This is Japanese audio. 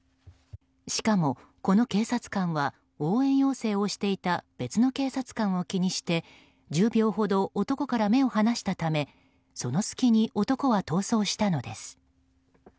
しかもこの警察官は応援要請をしていた別の警察官を気にして１０秒ほど男から目を離したためその隙に男は逃走したのです。